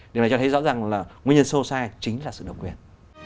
điều này cho thấy rõ ràng là nguyên nhân sâu xa chính là sự độc quyền